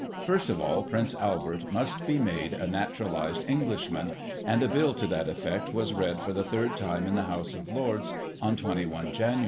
First of all Prince Albert must be made a naturalised Englishman, and a bill to that effect was read for the third time in the House of Lords on 21 Jan.